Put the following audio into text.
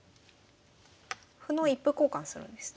歩の一歩交換するんですね。